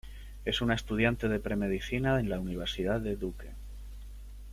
Es una estudiante de pre-medicina en la Universidad de Duke.